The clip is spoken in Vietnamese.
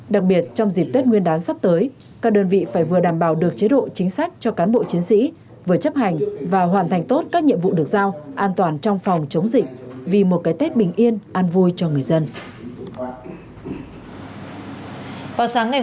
đặc biệt trong dịp tết nguyên đán sắp tới các đơn vị phải vừa đảm bảo được chế độ chính sách cho cán bộ chiến sĩ vừa chấp hành và hoàn thành tốt các nhiệm vụ được giao an toàn trong phòng chống dịch vì một cái tết bình yên an vui cho người dân